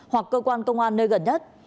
hoặc cơ quan công an nơi gần nhất